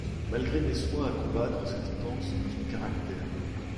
Malgré mes soins à combattre cette tendance de son caractère...